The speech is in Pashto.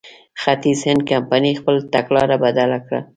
ختیځ هند کمپنۍ خپله تګلاره بدله کړه.